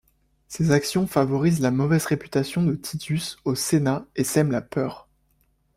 Ces actions favorisent la mauvaise réputation de Titus au sénat et sèment la peur.